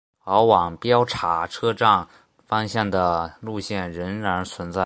而往标茶车站方向的路线仍然存在。